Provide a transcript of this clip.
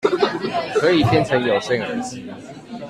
可以變成有線耳機